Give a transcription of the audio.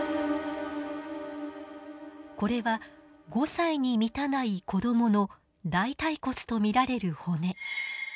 これは５歳に満たない子どもの大腿骨と見られる骨。